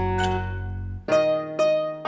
yang ini udah kecium